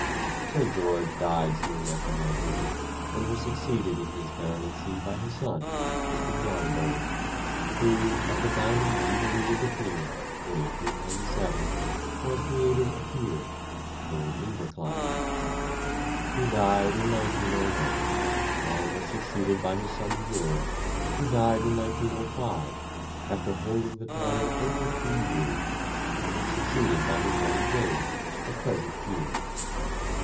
Sir George died soon after my visit, and was succeeded in his baronetcy by his son, Mr. John Burns, who at the Diamond Jubilee of the Queen, in 1897, was created a Peer (Lord Inverclyde). He died in 1901, and was succeeded by his son George, who died in 1905, after holding the title only a few years, and was succeeded by his brother James, the present Peer.